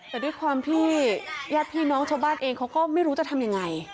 แต่ด้วยความที่ญาติพี่น้องชาวบ้านเองเขาก็ไม่รู้จะทำยังไง